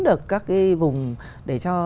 được các cái vùng để cho